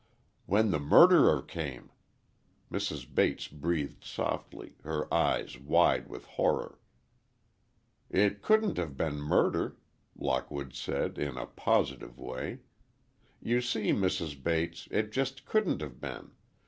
"When the murderer came!" Mrs. Bates breathed softly, her eyes wide with horror. "It couldn't have been murder," Lockwood said, in a positive way, "you see, Mrs. Bates, it just couldn't have been.